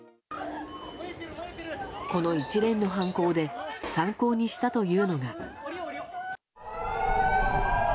この一連の犯行で参考にしたというのが。